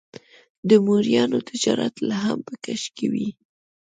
د مریانو تجارت لا هم په کش کې و.